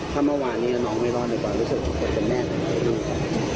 ถ้ามาหวานนี้น้องไม่รอดในความรู้สึกเป็นแม่หรือลูก